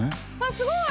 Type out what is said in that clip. すごい！